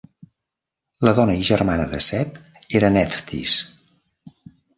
La dona i germana de Set era Neftis.